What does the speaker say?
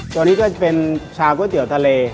ตัวนี้ก็จะเป็นชาวก๋วยเตี๋ยวทะเล